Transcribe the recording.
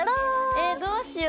えどうしよう。